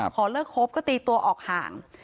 ขอเลิกคบก็ตีตัวออกห่าง